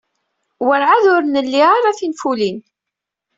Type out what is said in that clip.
Werɛad ur nli ara tinfulin.